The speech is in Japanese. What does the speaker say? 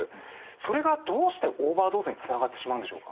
それがどうしてオーバードーズにつながってしまうんでしょうか？